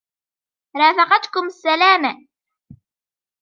رافقتكم السلامة.